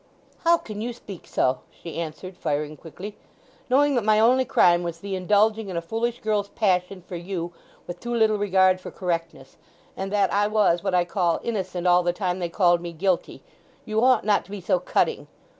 "How can you speak so!" she answered, firing quickly. "Knowing that my only crime was the indulging in a foolish girl's passion for you with too little regard for correctness, and that I was what I call innocent all the time they called me guilty, you ought not to be so cutting!